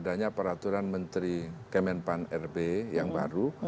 adanya peraturan menteri kemenpan rb yang baru